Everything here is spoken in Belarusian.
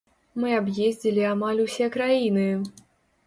Мы аб'ездзілі амаль усе краіны.